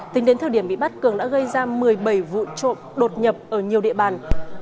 tính đến thời điểm bị bắt cường đã gây ra một mươi bảy vụ trộm đột nhập ở nhiều địa bàn